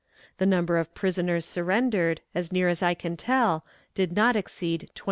The number of prisoners surrendered, as near as I can tell, did not exceed 28,000.